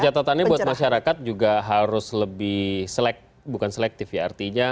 dan catatannya buat masyarakat juga harus lebih selektif ya